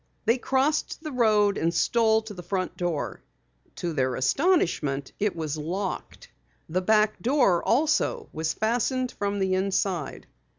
They crossed the road and stole to the front door. To their astonishment it was locked. The back door also was fastened from the inside.